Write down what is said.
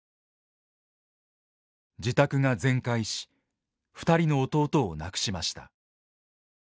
自宅が全壊し２人の弟を亡くしました。